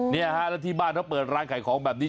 เนี่ยฮะแล้วที่บ้านเขาเปิดร้านขายของแบบนี้